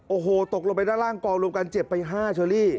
โอ้โหตกลงไปด้านล่างกองรวมกันเจ็บไป๕เชอรี่